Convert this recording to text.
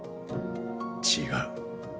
違う。